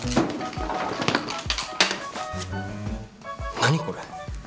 何これ？